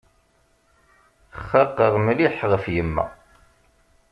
Xaqeɣ mliḥ ɣef yemma.